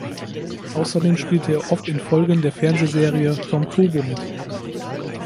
Außerdem spielte er oft in Folgen der Fernsehserie "Tom Turbo" mit.